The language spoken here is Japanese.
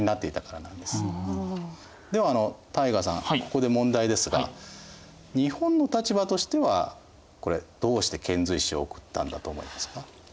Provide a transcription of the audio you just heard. ここで問題ですが日本の立場としてはこれどうして遣隋使を送ったんだと思いますか？